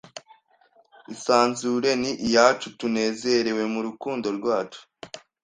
Isanzure ni iyacu tunezerewe murukundo rwacu